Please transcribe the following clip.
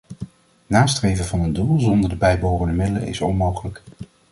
Nastreven van een doel zonder de bijbehorende middelen is onmogelijk.